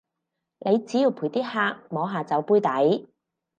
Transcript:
你只要陪啲客摸下酒杯底